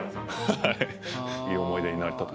はい。